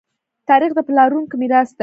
تاریخ د پلارونکو میراث دی.